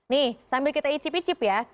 nih sambil kita icip icip ya